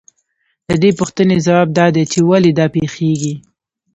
د دې پوښتنې ځواب دا دی چې ولې دا پېښېږي